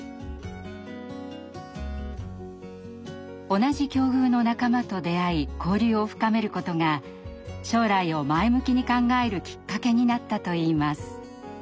同じ境遇の仲間と出会い交流を深めることが将来を前向きに考えるきっかけになったといいます。